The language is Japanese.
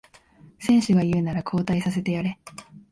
選手が言うなら交代させてやれ